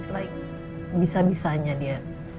like bisa bisanya dia